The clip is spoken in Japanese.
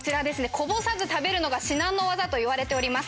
こぼさず食べるのが至難の業といわれております